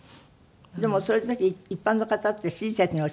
でもそういう時一般の方って親切に教えてくださいます？